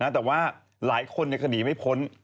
แต่ว่าหลายคนก็หนีไม่พ้น